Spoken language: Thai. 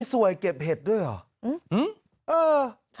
สวยเก็บเห็ดด้วยเหรอ